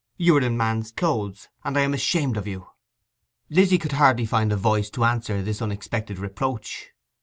You are in man's clothes, and I am ashamed of you!' Lizzy could hardly find a voice to answer this unexpected reproach.